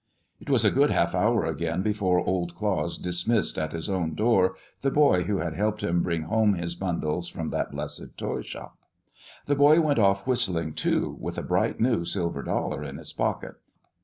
It was a good half hour again before Old Claus dismissed at his own door the boy who had helped him bring home his bundles from that blessed toy shop. The boy went off whistling, too, with a bright new silver dollar in his pocket.